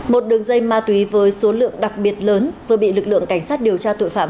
một đường dây ma túy với số lượng đặc biệt lớn vừa bị lực lượng cảnh sát điều tra tội phạm